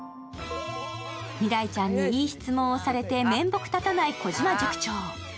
未来ちゃんにいい質問をされて面目立たない児嶋塾長。